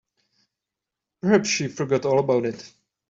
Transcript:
Perhaps she forgot all about it.